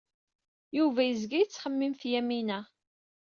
Yuba yezga yettxemmim ɣef Yamina.